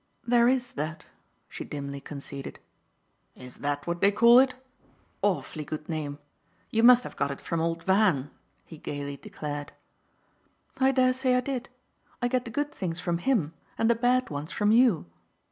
There IS that," she dimly conceded. "Is that what they call it? Awfully good name. You must have got it from old Van!" he gaily declared. "I dare say I did. I get the good things from him and the bad ones from you.